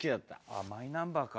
あっマイナンバーか。